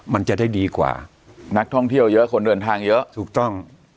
มันจะได้ดีกว่านักท่องเที่ยวเยอะคนเดินทางเยอะถูกต้อง